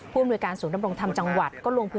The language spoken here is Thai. ผู้อำนวยการศูนย์ดำรงธรรมจังหวัด